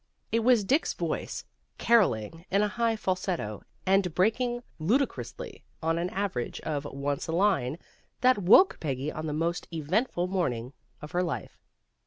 It was Dick's voice, caroling in a high falsetto, and breaking ludicrously on an average of once a line, that woke Peggy on the most eventful morning of her life.